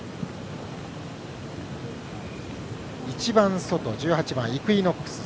一番外１８番イクイノックス。